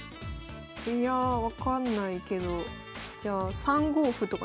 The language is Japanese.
いや分かんないけどじゃあ３五歩とかにします。